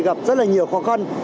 gặp rất là nhiều khó khăn